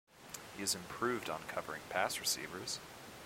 He has improved on covering pass receivers.